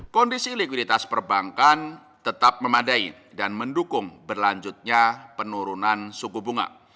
kondisi likuiditas perbankan tetap memadai dan mendukung berlanjutnya penurunan suku bunga